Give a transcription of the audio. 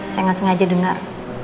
saya gak sengaja dengar